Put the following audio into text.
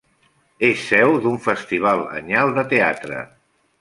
És seu d'un festival anyal de teatre.